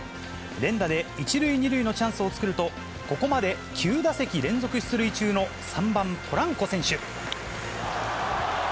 連打で１塁２塁のチャンスを作ると、ここまで９打席連続出塁中の３番ポランコ選手。